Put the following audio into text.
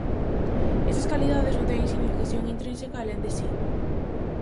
Esas calidades non teñen significación intrínseca alén de si.